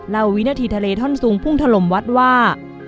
วินาทีทะเลท่อนสูงพุ่งถล่มวัดว่า